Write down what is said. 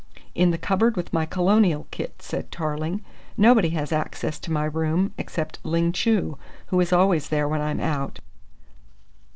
"In the cupboard with my colonial kit," said Tarling. "Nobody has access to my room except Ling Chu, who is always there when I'm out."